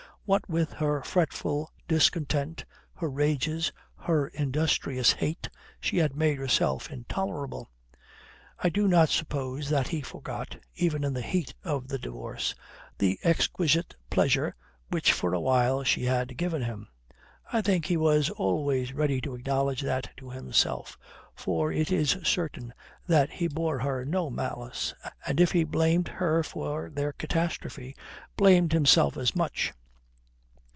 What with her fretful discontent, her rages, her industrious hate, she had made herself intolerable. I do not suppose that he forgot, even in the heat of the divorce, the exquisite pleasure which for a while she had given him. I think he was always ready to acknowledge that to himself, for it is certain that he bore her no malice, and if he blamed her for their catastrophe, blamed himself as much.